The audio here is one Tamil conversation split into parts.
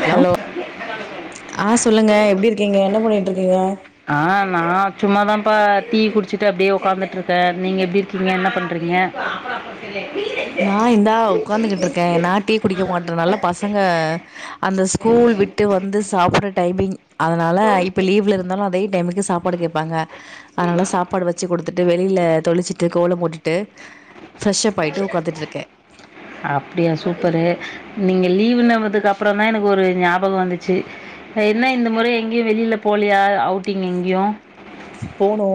ஹலோ ஆ சொல்லுங்க எப்படி இரு க்கீங்க என்ன பண்ணிட்டு இருக்கீங்க ஆ நா சும்மாதான்ப்பா டி குடிச்சுட்டு அப்படியே உ்காந்துட்டு இருக்கே நீங்க எப்படி இருக்கீங்க என்ன பண்றீங்க நா இந்தா உட்காந்துகிட்டு இருக்கே நா டி குடிக்க மாட்டே நலா பசங்க அந்த ஸ்கூல் விட்டு வந்து சாப்பற டைமிங் அதனால இப்ப லீவ்ல இருந்தாலோ அதே டைமுக்கு சாப்பாடு கேப்பாங்க அதனால சாப்பாடு வெச்சு குடுத்துட்டு வெளில தொளிச்சிட்டு கோலம் மோ டு ஃபிரஷ் அப் ஆயிட்டு இருக்கே அப்டிய சு ப்பறு நீங்கள் லீவ்ன்னுவதக்கு அப்பறந்தா எனக்கு ஒரு ஞாபக வந்துச்சு என்ன இந்த முறை எங்கேயு வெளில போலயா அவுட்டிங் எங்கேயு போனோ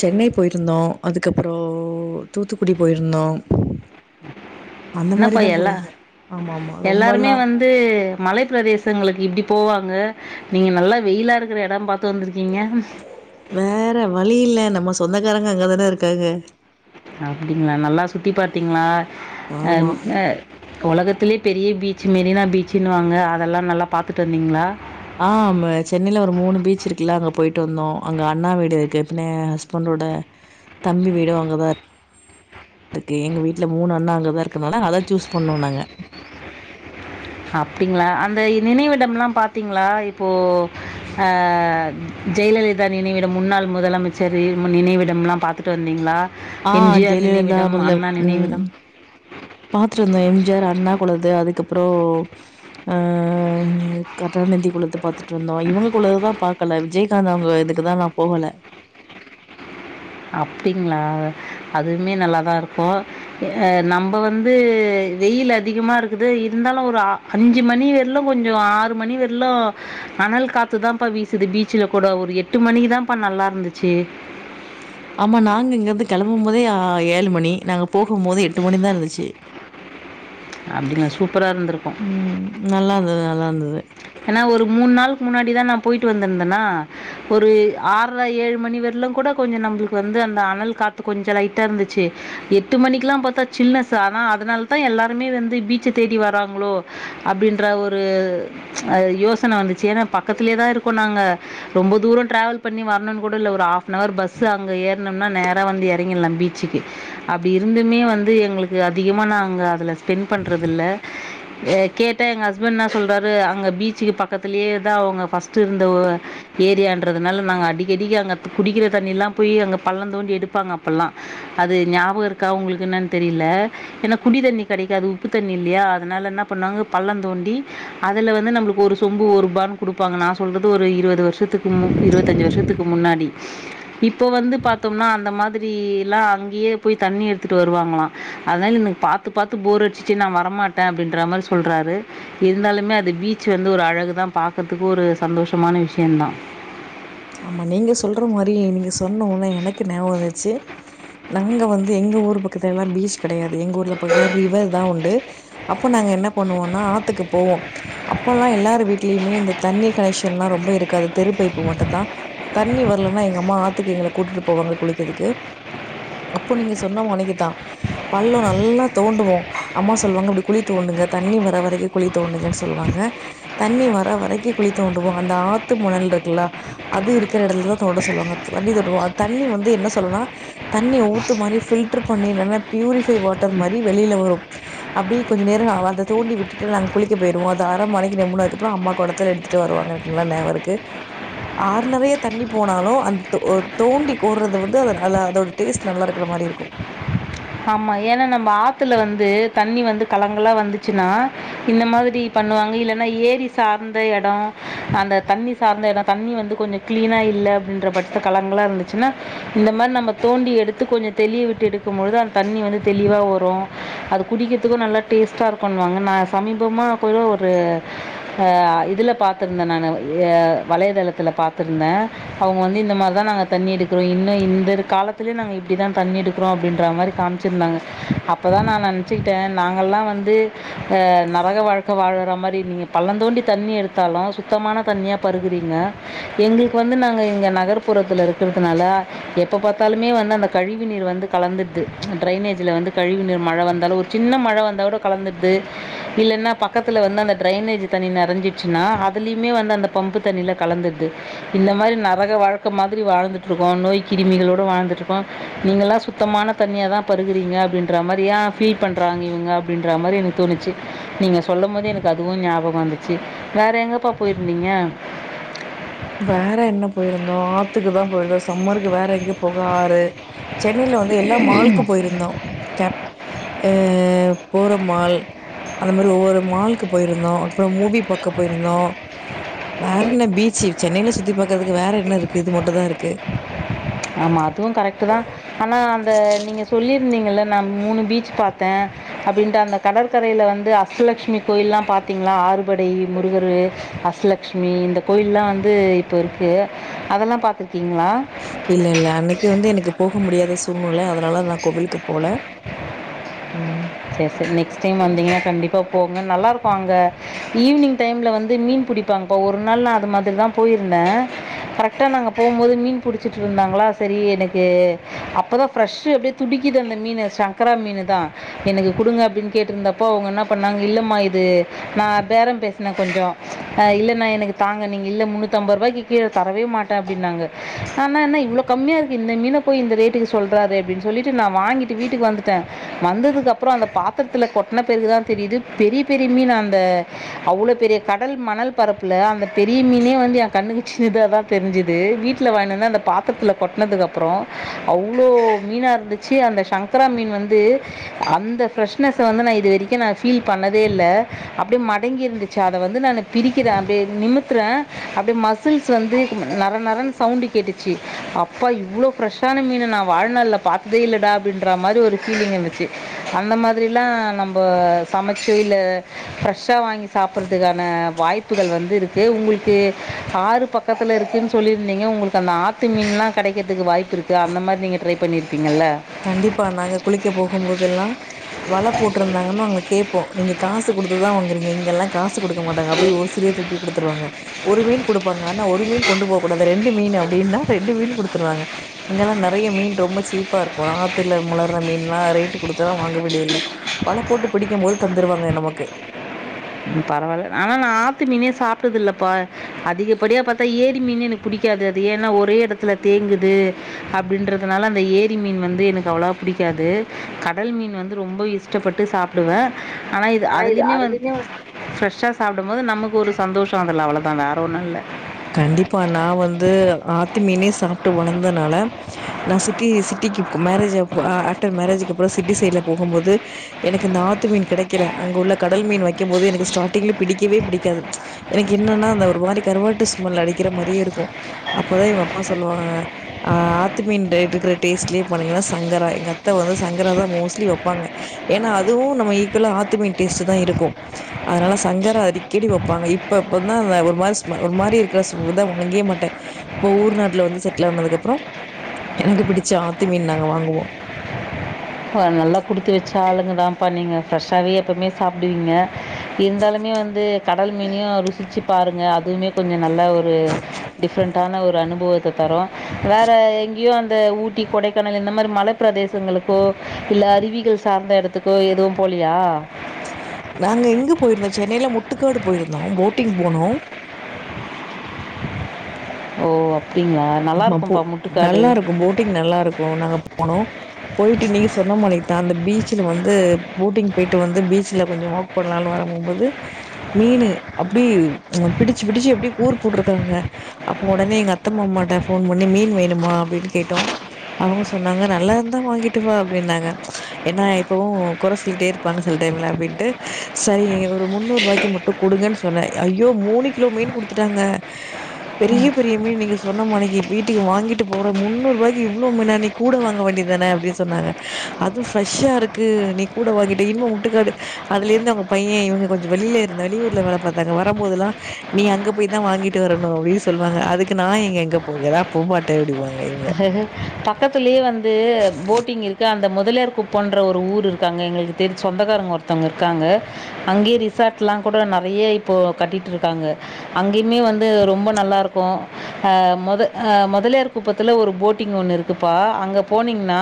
சென்னை போயிருந்தோ அதுக்கப்பறோ தூத்துக்குடி போயிருந்தோ அந்த என்னபா மாரிதா எல்லா போயிருந்தோ ஆமா ஆமா எல்லாருமே ரொம்பல்லா வந்து மலைப் பிரதேசங்களுக்கு இப்டி போவாங்க நீங்க நல்லா வெயிலா இருக்கற எடம் பாத்து வந்திருக்கீங்க வேற வழி இல்ல நம்ம சொந்தக்காரங்க அங்க தான இருக்காங்க அப்டிங்ளா நல்லா சுத்தி பாத்தீங்ளா ஆமா ஆம் அ ஒலகத்திலே பெரிய பீச் மெரினா பீச்சுன்னுவாங்க அதெல்லா நல்லா பாத்துட்டு வந்தீங்ளா ஆம் சென்னைல ஒரு மூனு பீச் இருக்குல அங்க போயிட்டு வந்தோ அங்க அண்ணா வீடு இருக்கு பின்னே எ ஹஸ்பன்டோட தம்பி வீடோ அங்கதா இ ர்க்கு எங்க வீட்ல மூனு அண்ணா அங்கதா இருக்கனால அதா சூஸ் பண்ணோ நாங்க அப்டிங்ளா அந்த இ நினைவிடம்லா பாத்தீங்ளா இப்போ ஆ ஜெயலலிதா நினைவிடோ முன்னாள் முதலமைச்சருவு நினைவிடம்லா பாத்துட்டு வந்தீங்ளா ஆ ஜெயலலிதா முதலவ் உம் நினைவிடம் பாத்துட் வந்தோ எம் ஜி ஆர் அண்ணா போலது அதுக்கப்பறோ ஆ கர்டாநிதி குள்ளது பாத்துட்டுருந்தோ இவங்க குள்ளதுதா பாக்கல விஜயகாந்த் அவுங்க இதுக்குதா நா போவல அப்டிங்ளா அதுமே நல்லாதா இருக்கோ எ ஏ நம்ப வந்து வெயில் அதிகமா இருக்குது இருந்தாலோ ஒரு அ அஞ்சு மணி வெர்லோ கொஞ்சோ ஆறு மணி வெர்லோ அனல் காத்துதாப்பா வீசுது பீச்சுல கூடோ ஒரு எட்டு மணிக்குதாப்பா நல்லா இருந்துச்சு ஆமா நாங்க இங்கிருந்து கெளம்பம் போதே ஆ ஏழு மணி நாங்க போகும் போது எட்டு மணிதா இருந்துச்சு அப்படிங்களா சூப்பராக இருந்திருக்கும் உம் நல்லா இன்தது நல்லா இன்தது என்னா ஒரு மூன் நாளுக்கு முன்னாடிதா நா போயிட்டு வந்திந்தன்னா ஒரு ஆற்றே ஏழு மணி வெர்லோ கூட கொஞ்சோ நம்புளுக்கு வந்து அந்த அனல் காத்து கொஞ்சோ லைட்டா இருந்துச்சு எட்டு மணிக்லா பாத்தா சில்னஸ் ஆனா அதுனாலதா எல்லாருமே வந்து பீச்ச தேடி வராங்ளோ அப்டின்ற ஒரு அது யோசன வந்துச்சு ஏன்னா பக்கத்திலயேதா இருக்கோ நாங்க ரொம்ப தூரோ டிராவல் பண்ணி வர்ணுன்னு கூட இல்ல ஒரு ஹாஃப் ஆன் ஹவர் பஸ்சு அங்க ஏற்னும்னா நேரா வந்து இறங்கில்லா பீச்சுக்கு அப்படி இருந்துமே வந்து எங்குளுக்கு அதிகமா நாங்க அதுல ஸ்பெண் பண்றது இல்ல ஏ கேட்டா எங்க ஹஸ்பன் என்னா சொல்றார் ரு அங்க பீச்சுக்கு பக்கத்திலேயேதா அவுங்க ஃபர்ஸ்ட்டு இருந்த ஊ ஏரியான்றதுனால நாங்க அடிக்கடிக்க அங்க துப் குடிக்கிற தண்ணிலா போய் அங்க பள்ளந் தோண்டி எடுப்பாங்க அப்பல்லா அது ஞாபக இருக்கா வுங்குளுக்கு என்னான்னு தெரியில்ல ஏன்னா குடி தண்ணி கெடைக்காது உப்பு தண்ணி இல்லியா அதனால என்னா பண்ணுவாங்க பள்ளந் தோண்டி அதுல வந்து நம்புளுக்கு ஒரு சொம்பு ஒரு பான் கொடுப்பாங்க நா சொல்றது ஒரு இருவது வருஷத்துக்கு மு இருவத்தஞ்சு வருஷத்துக்கு முன்னாடி இப்போ வந்து பாத்தோம்னா அந்த மாதிரி எல்லா அங்கேயே போய் தண்ணி எடுத்துட்டு வருவாங்களா அதல்லா என்னக்கு பாத்து பாத்து போர் அடிச்சிச்சு நா வரமாட்டே அப்டின்ற மாரி சொல்றாரு இருந்தாலு மே அது பீச் வந்து ஒரு அழகுதா பாக்கற்துக்கு ஒரு சந்தோஷமான விஷயன்தா ஆமா நீங்க சொல்ற மாரி நீங்க தொன்னவுனே எனக்கு ஞாபக வந்திச்சு நாங்க வந் து எங்க ஊர் பக்கத்துல்லலா பீச் கெடையாது தே எங்க ஊர்ல பாத்த ரிவர்தா உண்டு அப்ப நாங்க என்ன பண்ணுவோனா ஆத்துக்கு போவோ அப்பல்லா எல்லார் வீட்லியுமே இந்த தண்ணி கனெக்ஷன்லா ரொம்ப இருக்காது தெரு பைப்பு மட்டோந்தா தண்ணி வர்லன்னா எங்க அம்மா ஆத்துக்கு எங்கள கூட்டுட்டு போவாங்க குளிக்கிதுக்கு அப்போ நீங்க சொன்ன மொனக்கிதா பள்ளோ நல்லா தோண்டுவோ அம்மா சொல்வாங்க அப்டி குளி தோண்டுங்க தண்ணி வர வரைக்க குளி தோண்டுங்கன்னு சொல்லுவாங்க தண்ணி வர வரைக்க குளி தோண்டுவோ அந்த ஆத்து மணல் இருக்குல்ல அது இருக்கிற இடத்துலதா தோண்ட சொல்லுவாங்க அதுக்கு வண்டி தள்டுறுவோ அ தண்ணி வந்து என்ன சொல்லலுன்னா தண்ணிய ஊத்து மாரி ஃபில்டர் பண்ணி இல்லனா பியூரிஃபை வாட்டர் மாரி வெளில வரோ அப்டி கொஞ்சோ நேர நா வாழ்ந்தே தோண்டி விட்டுட்டு நாங்க குளிக்க போயிருவோ அது அரை மணிக்கு நம்ம முன்ன அதுக்கப்பறோ அம்மா குடத்துல எடுத்துட்டு வருவாங்க எனக்கு நல்லா ஞாபக இருக்கு ஆறு நெறைய தண்ணி போனாலோ அந் தோ தோண்டி கோற்றத வந்து அத நல அதோட டேஸ்ட் நல்லா இருக்கிற மாரி இருக்கோ ஆமா ஏன்னா நம்ம ஆத்துல வந்து தண்ணி வந்து கலங்கலா வந்துச்சுன்னா இந்த மாதிரி பண்ணுவாங்க இல்லன்னா ஏரி சார்ந்த எடம் அந்த தண்ணி சார்ந்த எடம் தண்ணி வந்து கொஞ்சோ க்ளீனா இல்ல அப்டின்ற பட்த்ல கலங்கலா இருந்துச்சுனா இந்த மாரி நம்ம தோண்டி எடுத்து கொஞ்சோ தெளிய விட்டு எடுக்கும்போது அந் தண்ணி வந்து தெளிவா வரோ அது குடிக்கிற்துக்கோ நல்லா டேஸ்ட்டா இருக்கோன்வாங்க நா சமீபமாக் கூட ஒரு ஆ இதில்ல பார்த்திருந்தே நானு ஏ வலைதளதுல பாத்திருந்தே அவுங்க வந்து இந்த மாரிதா நாங்க தண்ணி எடுக்கிறோ இன்னோ இந்தரு காலத்திலோ நாங்க இப்டிதா தண்ணி எடுக்கிறோ அப்டின்ற மாரி காம்ச்சிருந்தாங்க அப்போதா நா நெனச்சிக்கிட்டே நாங்கள்லா வந்து நரக வாழ்க்கை வாழுற மாரி நீங்க பள்ளந்தோண்டி தண்ணி எடுத்தாலோ சுத்தமான தண்ணியாக பருகிறீங்க எங்குளுக்கு வந்து நாங்க இங்க நகர்ப்புறத்தில இருக்கிறதுனால எப்ப பாத்தாலுமே வந்து அந்த கழிவு நீீர் வந்து கலந்துற்து டிரேனேஜ்ல வந்து கழிவுநீர் மழை வந்தாலோ ஒரு சின்ன மழை வந்தாவோட கலந்துர்து இல்லன்னா பக்கத்துல வந்து அந்த டிரேனேஜ் தண்ணி நெறஞ்சிச்சுன்னா அதுலியுமே வந்து அந்த பம்பு தண்ணில கலந்துர்து இந்த மாரி நரக வாழ்க்க மாதிரி வாழ்ந்துட்டுருக்கோ நோய் கிருமிகளோட வாழ்ந்துட்டு இருக்கோ நீங்கள்லா சுத்தமான தண்ணியதா பருகுறீங்க அப்டின்ற மாரியா ஃபீல் பண்றாங்க இவுங்க அப்டின்ற மாரி எனக்கு தோணுச்சு நீங்க சொல்லும் போது எனக்கு அதுவு ஞாபக வந்துச்சு வேற எங்கப்பா போயிருந்தீங்க வேற என்ன போயிருந்தோ ஆத்துக்குதா போயிருந்தோ சம்மருக்கு வேற எங்க போக ஆறு சென்னைல வந்து எல்லா மால்க்கு போயிருந்தோ கேப் அ போற மால் அந்த மாரி ஒவ்வொரு மால்க்கு போயிருந்தோ அப்புற மூவி பாக்க போயிருந்தோ வேற என்ன பீச்சு சென்னையில சுத்தி பாக்கறதுக்கு வேற என்ன இருக்கு இது மட்டுந்தா இருக்கு ஆமா அதுவு கரெக்ட்டுதா ஆனா அந்த நீங்க சொல்லிருந்திங்கல்ல நான் மூணு பீச் பாத்தே அப்டின்ட்டு அந்த கடற்கரையில வந்து அஷ்டலட்சுமி கோயில்லா பாத்திங்ளா ஆறுபடை முருகரு அஷ்டலட்சுமி இந்த கோயில்லா வந்து இப்ப இருக்கு அதெல்லா பாத்திருக்கிங்ளா இல்ல இல்ல அன்னைக்கு வந்து எனக்கு போக முடியாத சூழ்நில அத னால நா கோவிலுக்கு போல ம் செர் செரி நெக்ஸ்ட் டைம் வந்திங்கனா கண்டிப்பா போ நல்லாருக்கு அங்க ஈவினிங் டைம்ல வந்து மீன் பிடிப்பாங்ப்பா ஒரு நாள் நா அது மாதிரிதா போயிருந்த கரெக்டா நாங்க போகும்போது மீன் புடிச்சிட்டு இருந்தாங்ளா சரி எனக்கு அப்பதா ஃப்ரெஷ்ஷு அப்டியே துடிக்குது அந்த மீனு சங்கரா மீனுதா எனக்கு குடுங்க அப்டின் கேட்ருந்தப்போ அவங்க என்ன பண்ணாங்க இல்லம்மா இது நா பேரம் பேசுன கொஞ்ச இல்லனா எனக்கு தாங்க நீங்க இல்ல முன்னூத்தம்பது ரூபாய்க்கு கீழ தரவே மாட்ட அப்டின்னாங்க ஆனா என்ன இவ்ளோ கம்மியா இருக்குது இந்த மீன போய் இந்த ரேட்டுக்கு சொல்றாரே அப்டினு சொல்லிட்டு நா வாங்கிட்டு வீட்டுக்கு வந்துட்டே வந்ததுக்கு அப் புற அந்த பாத்தரத்துல கொட்ன பிறகுதா தெரியுது பெரிய பெரிய மீனு அந்த அவ்ளோ பெரிய கடல் மணல் பரப்புல அந்த பெரிய மீனே வந்து எ கண்ணுக்கு சின்னதாதா தெரிஞ்சுது வீட்ல வாங்கினு வந்து அந்த பாத்தரத்துல கொட்னதுக்கப்றோ அவ்ளோ மீனா இருந்துச்சு அந்த சங்கரா மீன் வந்து அந்த ஃப்ரெஷ்னஸ்ஸ வந்து நா இது வரைக்கு நா ஃபீல் பண்ணதே இல்ல அப்டியே மடங்கி இருந்துச்சு அத வந்து நானு பிரிக்கிற அப்டியே நிமித்துறே அப்டியே மசில்ஸ் வந்து நர நரன்னு சவுண்டு கேட்டுச்சு அப்பா இவ்ளோ ஃப்ரெஷ்ஷான மீன நா வாழ்நாள்ல பாத்ததே இல்லடா அப்டின்ற மாரி ஒரு ஃபீலிங் இருந்துச்சு அந்த மாதிரிலா நம்ப சமைச்சு இல்ல ஃப்ரெஷ்ஷா வாங்கி சாப்பறதுக்கான வாய்ப்புகள் வந்து இருக்கு உங்களுக்கு ஆறு பக்கத்துல இருக்குன்னு சொல்லிருந்திங்க உங்களுக்கு அந்த ஆத்து மீன்லா கெடைக்கிறதுக்கு வாய்ப்பிருக்கு அந்த மாரி நீங்க ட்ரை பண்ணி கண்டிப்பா நாங்க குளிக்க போகும்போ தெல்லா வல போட்ருந்தாங்கன்னா அங்க கே ப்போ நீங்க காசு குடுத்துதா வாங்குறிங்க இங்கெல்லா காசு குடுக்க மாட்டாங்க அப்டி ஓசிலியே தூக்கி குடுத்துருவாங்க ஒரு மீன் குடுப்பாங்க ஆனா ஒரு மீன் கொண்டு போகக்கூடாது ரெண்டு மீனு அப்டின்னா ரெண்டு மீன் குடுத்துருவாங்க இங்கெல்லா நெறைய மீன் ரொம்ப சீப்பா இருக் ஆத்துல முலர்ற மீன்ல்லா ரேட் குடுத்தல்லா வாங்கவேண்டியது இல்ல வல போட்டு பிடிக்கும் போது தந்துருவாங்க நமக்கு ம் பரவால்ல ஆனா நா ஆத்து மீனே சாப்ட்டதில்லப்பா அதிகப்படியா பாத்தா ஏரி மீனு எனக் புடிக்காது அது ஏன்னா ஒரே எடத்துல தேங்குது அப்டின்றதுனால அந்த ஏரி மீன் வந்து எனக்கு அவ்ளவா புடிக்காது கடல் மீன் வந்து ரொம்போ இஷ்டப்பட்டு சாப்டுவ ஆனா இது அதுலய்மே வந் ஃப்ரெஷ்ஷா சாப்டம்போது நமக்கு ஒரு சந்தோஷொ அதுல அவ்வளதா வேற ஒன்னு இல்ல கண்டிப்பா நா வந்து ஆத்து மீனே சாப்ட்டு வளந்தனால நா சிட்டி சிட்டிக்கி மேரேஜு அப் ஆஃப்டர் மேரேஜிக்கி அப்றொ சிட்டி சைட்ல போகும் போது எனக்கு இந்த ஆத்து மீன் கெடைக்கல அங்க உள்ள கடல் மீன் வைக்கம் போது எனக்கு ஸ்டாடிங்ல பிடிக்கவே பிடிக்காது எனக்கு என்னன்னா அந்த ஒரு மாரி கருவாட்டு ஸ் ஸ்மல் அடிக்கிற மாரியே இருக்கு அப்பதா இவ்ங்க அப்பா சொல்லுவாங்கங்க ஆ ஆத்து மீன்ட இருக்குற டேஸ்ட்லே பாருங்களே சங்கரா எங்க அத்த வந்து சங்கராதா மோஸ்ட்லி வெப்பாங்க ஏன்னா அதுவு நம்ம ஈக்கொலா ஆத்து மீன் டேஸ்ட்டு தா இருக்கு அத்னால சங்கரா அடிக்கெடி வெப்பாங்க இப்பப்பந்தா ஆ ஒரு மாரி ஸ்மெ ஒரு மாரி இருக் தா ஸ் அதா வாங்கயே மாட்ட இப்போ ஊர் நேரத்ல வந்து செட்லு ஆனதுக்கப்றொ எனக்கு புடிச்ச ஆத்து மீன் நாங்க வாங்குவோ அ நல்லா குடுத்து வச்ச ஆளுங்க தாம்ப்பா நீங்க ஃப்ரெஷ்ஷாவே எப்பவ்மே சாப்டுவீங்க இருந்தாலுமே வந்து கடல் மீனையு ருசிச்சி பாருங்க அதுவுமே கொஞ்சொ நல்லா ஒரு டிஃப்ரெண்ட்டான ஒரு அனுபவத்த தரு வேற எங்கியு அந்த ஊட்டி கொடைக்கானல் இந்த மாரி மலப் பிரதேசங்களுக்கோ இல்ல அறிவிகள் சார்ந்த எடத்துக்கோ எதுவு போலியா நாங்க எங்க போயிருந்தோ சென்னைல முட்டுக்காடு போயிருந்தோ போட்டிங் போனோ ஓ அப் ஆமா போ நல்லா இருக்கு போட்டிங் நல்லா இருக்கு நாங்க போனோ போய்ட்டு நீங்க சொன்னா மானி தா அந்த பீச்சுல வந்து போட்டிங் பெய்ட்டு வந்து பீச்ல கொஞ்சொ வாக் பண்லானு வரம்போது மீனு அப்டே பிடிச்சி கிடிச்சி அப்டியே கூறு போட்ருக்குறாங்க அப்போ ஒடனே எங்க அத்த மாமாட்ட போன் பண்ணி மீன் வேணுமா அப்டின் கேட்டோ அவ்ங்க சொன்னாங்க நல்லா இருந்தா வாங்கிட்டு வா அப்டின்னாங்க என்னா எப்பவு கொற சொல்லிட்டே இருப்பாங்க சில் டைம்ல அப்டின்ட்டு சரி ஒரு முன்னூருவாய்க்கு மட்டு குடுங்கன் சொன்ன ஐயோ மூணு கிலோ மீன் குடுத்துட்டாங்க பெரிய பெரிய மீன் நீங்க சொன்ன மானிக்கு வீட்டுக்கு வாங்கிட்டு போற முன்னூருவாய்க்கி இவ்ளோ [unintelligible] கூட வாங்க வேண்டியத்தான அப்டி சொன்னாங்க அது ஃப்ரெஷ்ஷா இருக்கு நீ கூட வாங்கிட்டு இன்னு முட்டுக்காடு அதுலேர்ந்து அவ்ங்க பைய இவ்ங்க கொஞ்சொ வெளிய்ல இருந்த வெளியூர்ல வேல பாத்தாங்க வரம்போதுல்லா நீ அங்க போய் தா வாங்கிட்டு வரணு அப்டீ சொல்லுங்க அதுக்கு நா எங்க அங்க போகதா போமாட்ட அப்டிவாங் பக்கத்துலயே வந்து போட்டிங் இருக்கு அந்த மொ மொதலியார் குப்பொன்ற ஒரு ஊர் இருக்கு அங்க எங்களுக்கு தெரி சொந்தக்காரங்க ஒருத்தவ்ங்க இருக்காங்க அங்கயே ரிசார்ட்லா கூட நறைய இப்போ கட்டிட்ருக்காங்க அங்கய்மே வந்து ரொம்ப நல்லா இருக்கு ஆ மொத ஆ மொதலியார் குப்பத் துல ஒரு போட்டிங் ஒன்னு இருக்குப்பா அங்க போனீங்னா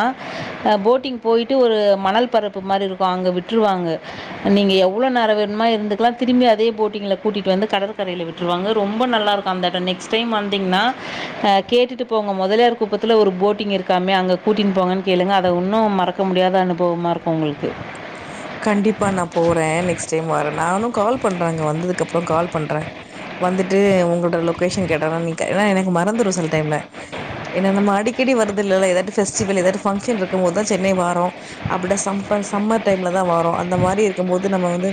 போட்டிங் போயிட்டு ஒரு மணல் பரப்பு மாரி இருக்கு அங்க விட்ருவாங்க நீங்க எவ்ளோ நேர வேண்மோ இருந்துக்லா திரிம்பி அதே போட்டிங்ல கூட்டிட்டு வந்து கடற்கரையில விட்ருவாங்க ரொம்ப நல்லார்க்கு அந் தட நெக்ஸ் டைம் வந்தீங்ன்னா அ கேட்டுட்டு இப்போ உங்க மொதலியார் குப்பத்துல ஒரு போட்டிங் இருக்காமே அங்க கூட்டின் போங்கன் கேளுங்க அத உன்னு மறக்க முடியாத அனுபவமா இருக்கு உங்களுக்கு கண்டிப்பா நா போறே நெக்ஸ்ட் டைமு வர நானு கால் பண்ற அங்க வந்ததுக்கப்றொ கால் பண்ற வந்துட்டு உங்களோட லொகேஷன் கேட்டானா நிக்க ஏனா எனக்கு மறந்துரு செல் டைம்ல ஏனா நம்ம அடிக்கடி வருதுல்லால எதாது ஃபெஸ்டிவல் எதாது ஃபங்க்ஷன் இருக்கம் போதுதா சென்னை வாரோ அப்டா சம்ப்பர் சம்மர் டைம் லதா வாரோ அந்த மாரி இருக்கம்போது நம்ம வந்து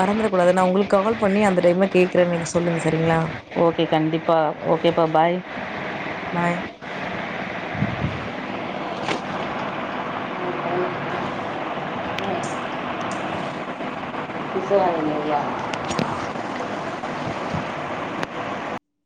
மறந்துறக் கூடாது நா உங்களுக் கால் பண்ணி அந்த டைம்ல கேக்குற நீங்க சொல்லுங்க சரிங்களா ஓகே கண்டிப்பா ஓகேப்பா பாய் பாய் பிஸே ஐநூற்வா